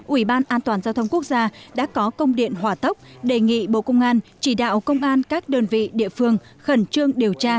ủy ban an toàn giao thông quốc gia đã có công điện hỏa tốc đề nghị bộ công an chỉ đạo công an các đơn vị địa phương khẩn trương điều tra